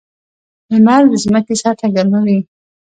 • لمر د ځمکې سطحه ګرموي.